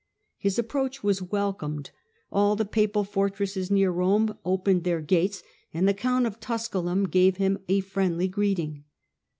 His approach was welcomed ; all the papal fortresses near Rome opened their gates, and the count of Tusculum gave him a friendly greeting.